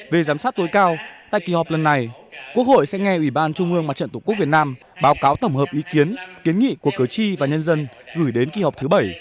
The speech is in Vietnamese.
về giám sát tối cao tại kỳ họp lần này quốc hội sẽ nghe ủy ban trung ương mặt trận tổ quốc việt nam báo cáo tổng hợp ý kiến kiến nghị của cử tri và nhân dân gửi đến kỳ họp thứ bảy